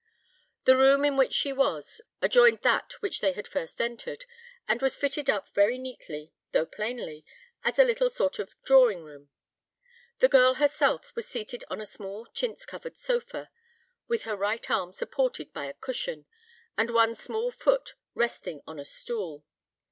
The room in which she was, adjoined that which they had first entered, and was fitted up very neatly, though plainly, as a little sort of drawing room. The girl herself was seated on a small chintz covered sofa, with her right arm supported by a cushion, and one small foot resting on a stool.